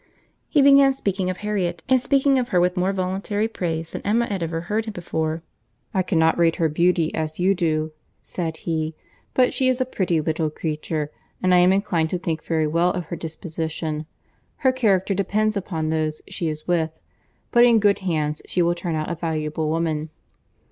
He began speaking of Harriet, and speaking of her with more voluntary praise than Emma had ever heard before. "I cannot rate her beauty as you do," said he; "but she is a pretty little creature, and I am inclined to think very well of her disposition. Her character depends upon those she is with; but in good hands she will turn out a valuable woman."